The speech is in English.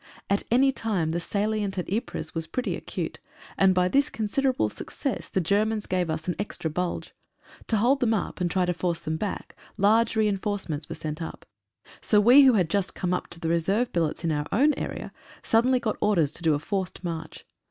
At any time the salient at Ypres was pretty acute, and by this considerable success the Ger mans gave us an extra bulge. To hold them up and try to force them back large reinforcements were sent up. So we who had just come up to the reserve billets in our own area suddenly got orders to do a forced march.